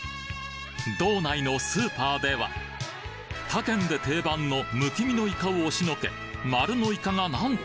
道内のスーパーでは他県で定番のむき身のイカを押しのけ丸のイカが何と！